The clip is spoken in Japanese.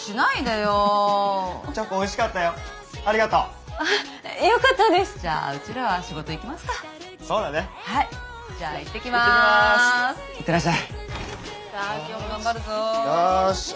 よし。